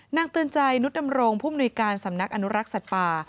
เตือนใจนุษดำรงผู้มนุยการสำนักอนุรักษ์สัตว์ป่า